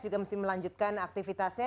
juga mesti melanjutkan aktivitasnya